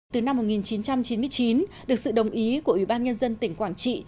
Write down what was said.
từ năm một nghìn chín trăm chín mươi chín được sự đồng ý của ủy ban nhân dân tỉnh quảng trị